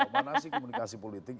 mana sih komunikasi politik